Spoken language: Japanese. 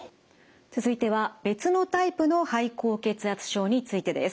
続いては別のタイプの肺高血圧症についてです。